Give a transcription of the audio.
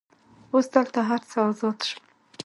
اوس دلته هر څه آزاد شول.